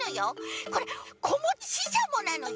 これこもちししゃもなのよ。